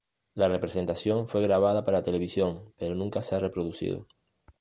La representación fue grabada para televisión, pero nunca se ha reproducido.